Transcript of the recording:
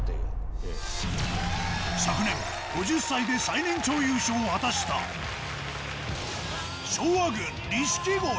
昨年、５０歳で最年長優勝を果たした昭和軍、錦鯉。